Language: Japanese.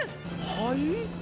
はい？？